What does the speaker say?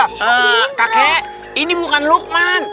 kakek ini bukan lukman